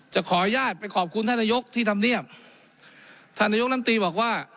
จะขออนุญาตไปขอบคุณท่านนายกที่ทำเนียบท่านนายกลำตีบอกว่า